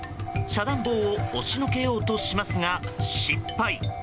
遮断棒を押しのけようとしますが失敗。